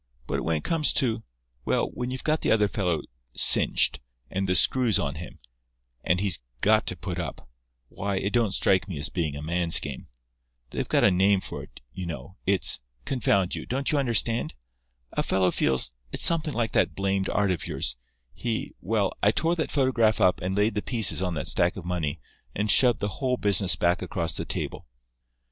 But when it comes to—well, when you've got the other fellow cinched, and the screws on him, and he's got to put up—why, it don't strike me as being a man's game. They've got a name for it, you know; it's—confound you, don't you understand? A fellow feels—it's something like that blamed art of yours—he—well, I tore that photograph up and laid the pieces on that stack of money and shoved the whole business back across the table.